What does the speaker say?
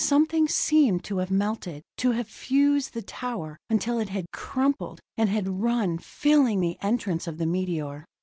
Something seemed to have melted, to have fused the tower, until it had crumpled, and had run, filling the entrance of the meteor.